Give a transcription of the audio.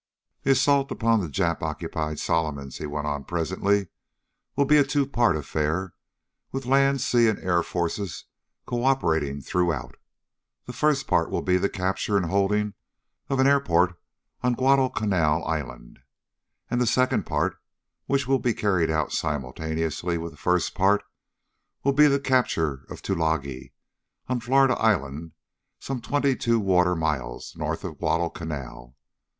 "The assault upon the Jap occupied Solomons," he went on presently, "will be a two part affair with land, sea, and air forces cooperating throughout. The first part will be the capture and holding of an airport on Guadalcanal Island. And the second part, which will be carried out simultaneously with the first part, will be the capture of Tulagi on Florida Island some twenty two water miles north of Guadalcanal.